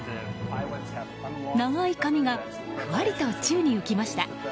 長い髪がふわりと宙に浮きました。